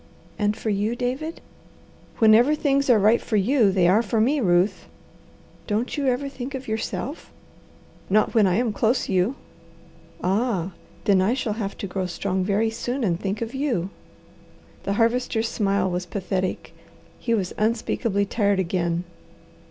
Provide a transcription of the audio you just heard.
"And for you, David?" "Whenever things are right for you, they are for me, Ruth." "Don't you ever think of yourself?" "Not when I am close you." "Ah! Then I shall have to grow strong very soon and think of you." The Harvester's smile was pathetic. He was unspeakably tired again.